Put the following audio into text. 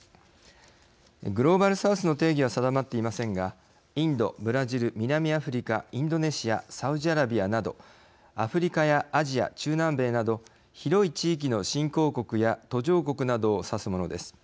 グローバル・サウスの定義は定まっていませんがインドブラジル南アフリカインドネシアサウジアラビアなどアフリカやアジア中南米など広い地域の新興国や途上国などを指すものです。